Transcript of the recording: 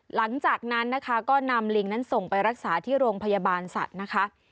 หลังจากนั้นนะคะก็นำลิงนั้นส่งไปรักษาที่โรงพยาบาลสัตว์นะคะ